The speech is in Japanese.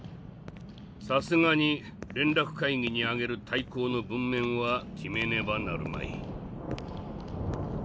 さすがに連絡会議にあげる大綱の文面は決めねばなるまい。